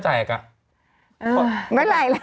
เวลาไหร่แล้ว